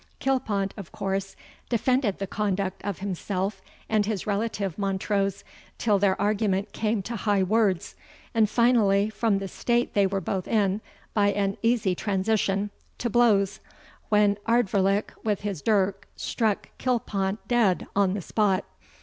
Kilpont of course defended the conduct of himself and his relative Montrose, till their argument came to high words; and finally, from the state they were both in, by an easy transition, to blows, when Ardvoirlich, with his dirk, struck Kilpont dead on the spot.